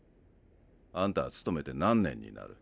あんたは勤めて何年になる。